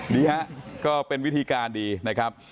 นี่ฮะก็เป็นวิธีการดีนะครับ